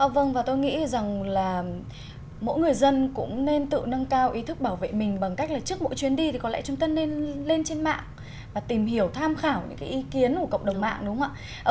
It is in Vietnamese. vâng và tôi nghĩ rằng là mỗi người dân cũng nên tự nâng cao ý thức bảo vệ mình bằng cách là trước mỗi chuyến đi thì có lẽ chúng ta nên lên trên mạng và tìm hiểu tham khảo những cái ý kiến của cộng đồng mạng đúng không ạ